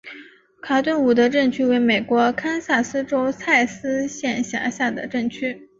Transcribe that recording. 卡顿伍德镇区为美国堪萨斯州蔡斯县辖下的镇区。